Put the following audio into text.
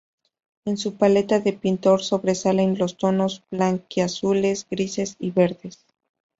En su paleta de pintor sobresalen los tonos blanquiazules, grises y verdes.